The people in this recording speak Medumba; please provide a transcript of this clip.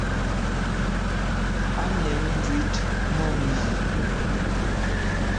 Á nèn njwit mum nà.